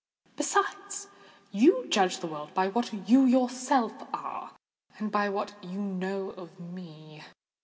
Besides, you judge the world by what you yourself are, and by what you know of me.